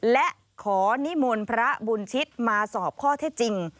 และขอนิมนต์พระบุญชิตมาสอบข้อเท็จจริง